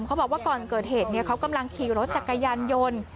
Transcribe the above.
บอกว่าก่อนเกิดเหตุเขากำลังขี่รถจักรยานยนต์